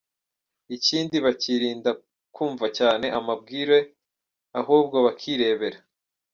Ikindi bakirinda kumva cyane amabwire, ahubwo bakirebera.